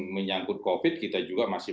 menyangkut covid kita juga masih